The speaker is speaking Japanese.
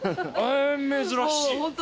珍しい。